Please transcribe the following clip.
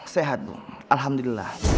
sehat dong alhamdulillah